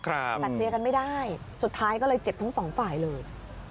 แต่เคลียร์กันไม่ได้สุดท้ายก็เลยเจ็บทั้งสองฝ่ายเลย